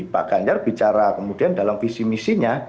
pak ganjar bicara kemudian dalam visi misinya